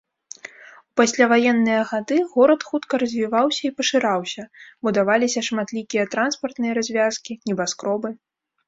У пасляваенныя гады горад хутка развіваўся і пашыраўся, будаваліся шматлікія транспартныя развязкі, небаскробы.